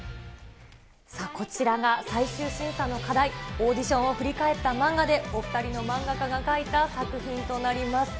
さあ、こちらが最終審査の課題、オーディションを振り返った漫画でお２人の漫画家が描いた作品となります。